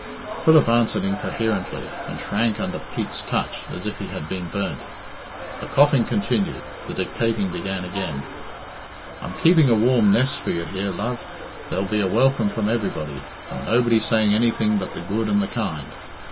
Philip answered incoherently, and shrank under Pete's touch as if he had been burnt. The coughing continued; the dictating began again. '"I'm keeping a warm nest for you here, love. There'll be a welcome from everybody, and nobody saying anything but the good and the kind.